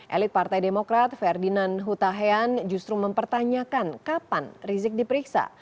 elit partai demokrat ferdinand hutahean justru mempertanyakan kapan rizik diperiksa